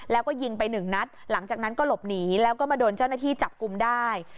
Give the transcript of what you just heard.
แล้วก็ยิงไปหนึ่งนัดหลังจากนั้นก็หลบหนีแล้วก็มาโดนเจ้าหน้าที่จับกลุ่มได้